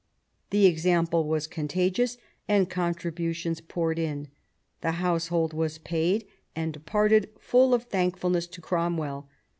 The example was contagious, and con tributions poured in. The household was paid, and departed full of thankfulness to Cromwell.